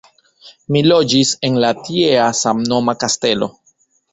Li loĝis en la tiea samnoma kastelo.